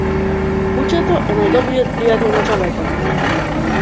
Кучето е најдобриот пријател на човекот.